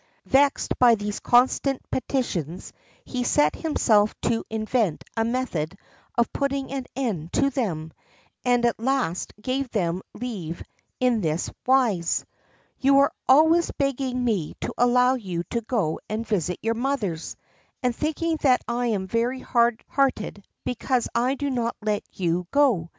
Vexed by these constant petitions, he set himself to invent a method of putting an end to them, and at last gave them leave in this wise: "You are always begging me to allow you to go and visit your mothers, and thinking that I am very hard hearted because I do not let you go.